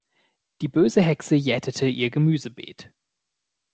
Die böse Hexe jätete ihr Gemüsebeet.